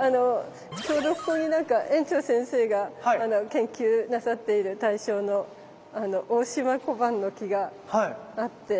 ちょうどここに園長先生が研究なさっている対象のオオシマコバンノキがあって。